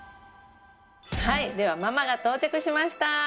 はいではママが到着しました。